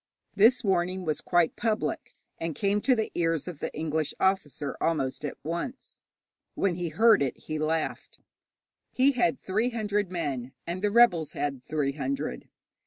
This warning was quite public, and came to the ears of the English officer almost at once. When he heard it he laughed. He had three hundred men, and the rebels had three hundred.